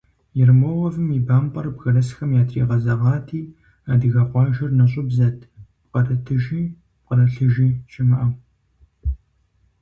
Ермоловым и бампӀэр бгырысхэм ятригъэзэгъати, адыгэ къуажэр нэщӀыбзэт, пкърытыжи пкърылъыжи щымыӀэу…